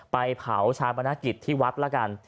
ไปเผาชาปนกิจที่วัดแล้วกัน